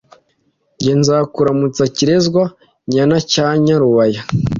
Jye nzakuramutsa: Kirezwa-nyana cya Nyarubaya